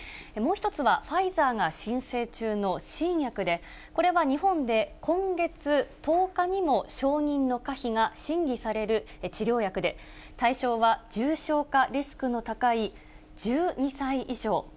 もう１つは、ファイザーが申請中の新薬で、これは日本で今月１０日にも承認の可否が審議される治療薬で、対象は重症化リスクの高い１２歳以上。